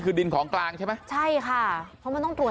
คือดินของกลางใช่ไหม